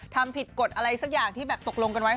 ทำผิดกฎอะไรสักอย่างที่แบบตกลงกันไว้